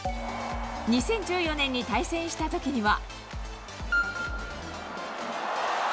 ２０１４年に対戦したときには。